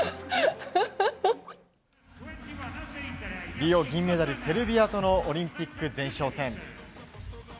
リオ銀メダル、セルビアとのオリンピック前哨戦。